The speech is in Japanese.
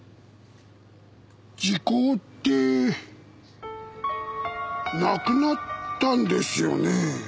時効ってなくなったんですよねぇ。